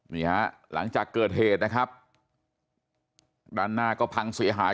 หลังจากเกิดเหตุนะครับด้านหน้าก็พังเสียหาย